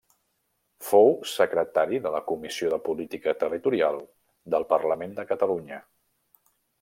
Fou secretari de la Comissió de Política Territorial del Parlament de Catalunya.